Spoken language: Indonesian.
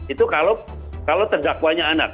itu kalau terdakwanya anak